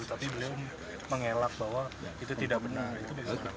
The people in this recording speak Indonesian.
tapi beliau mengelak bahwa itu tidak benar